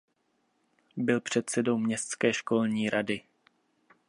Byl předsedou městské školní rady.